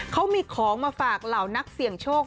เขามีของมาฝากเหล่านักเสี่ยงโชค